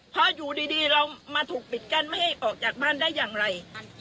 เพราะอยู่ดีเรามาถูกปิดกั้นไม่ให้ออกจากบ้านได้อย่างไร